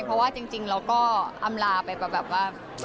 เพราะว่าจริงเราก็อำลาไปแบบว่า